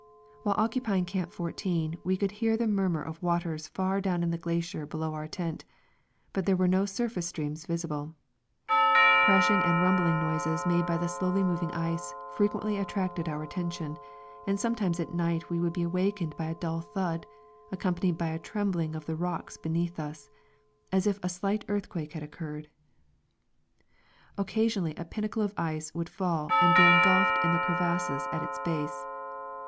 While occupying Camp 14 we could hear (he nuu nuir o{ waters far down in the glacier below our tent, but there were no surface streams visible. Crashing and ruml)ling noises made by the slowly moving i^'c frcHiuendy attracted our attcMvtion, and sonu^ times at night wc> woukl be awakeneil by a dull thud, accom panied by a trembling of the rocks beneath us, as if a slight eartlupiake had occurred. (Occasionally a pinnacle of it'c would fall anil be engulfed in the crevasses at its base.